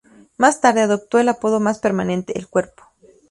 Más tarde, adoptó el apodo más permanente, "El cuerpo".